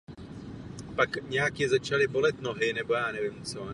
Kořist loví ve dne.